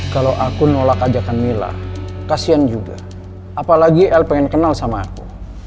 kalau aku nolak ajakan mila kasihan juga apalagi l pengen kenal sama aku